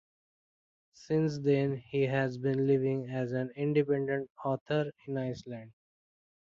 Since then he has been living as an independent author in Iceland.